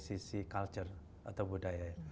sisi culture atau budaya